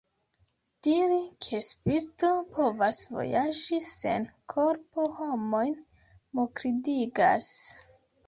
Diri ke spirito povas vojaĝi sen korpo homojn mokridigas.